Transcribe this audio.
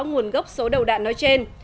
nguồn gốc số đầu đạn nói trên